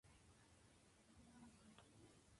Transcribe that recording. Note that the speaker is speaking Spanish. En la actualidad alberga el Aeropuerto de Berlín-Tegel.